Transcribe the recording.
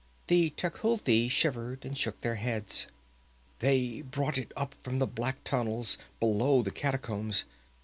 The Tecuhltli shivered and shook their heads. "They brought it up from the black tunnels below the catacombs.